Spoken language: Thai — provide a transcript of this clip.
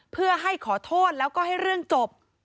เพื่อให้ขอโทษแล้วก็ให้เรื่องจบ